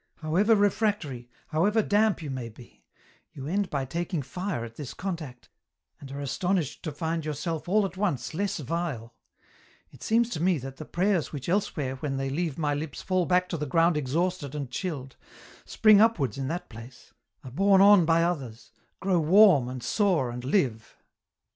However refractory, however damp you may be, you end by taking fire at this contact, and, are astonished to find yourself all atonceiless vile ; it seems to me that the prayers which elsewhere when they leave my lips fall back to the ground exhausted and chilled, spring upwards in that place, are borne on by others, grow warm and soar and live.